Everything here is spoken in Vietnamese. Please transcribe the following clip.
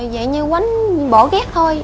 vậy như quánh bỏ ghét thôi